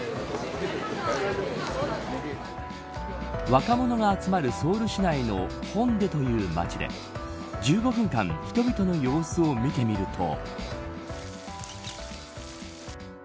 若者が集まるソウル市内の弘大という街で１５分間人々の様子を見てみると。